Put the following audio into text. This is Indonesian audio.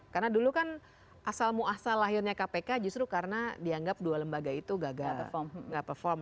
karena dulu kan asal muasal lahirnya kpk justru karena dianggap dua lembaga itu nggak perform